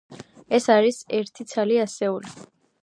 ეს არის ერთი ცალი ასეული.